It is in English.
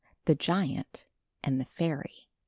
THE GIANT AND THE FAIRY.